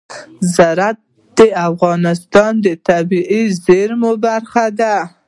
زراعت د افغانستان د طبیعي زیرمو برخه ده.